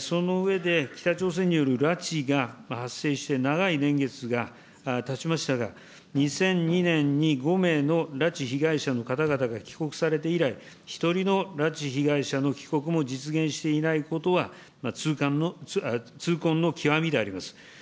その上で、北朝鮮による拉致が発生して長い年月がたちましたが、２００２年に５名の拉致被害者の方々が帰国されて以来、１人の拉致被害者の帰国も実現していないことは、痛恨の極みであります。